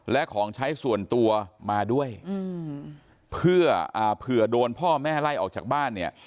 และของใช้ส่วนตัวมาด้วยเพื่อเผื่อโดนพ่อแม่ไล่ออกจากบ้านเนี่ย